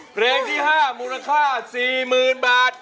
เพลงที่๕มูลค่า๔๐๐๐บาท